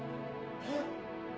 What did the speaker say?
えっ！？